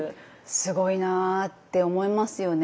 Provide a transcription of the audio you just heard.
すごいなって思いますよね。